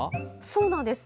そうなんです。